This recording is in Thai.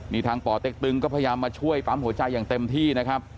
นี่ทางป่อเต็กตึงก็พยายามมาช่วยปั๊มหัวใจอย่างเต็มที่นะครับ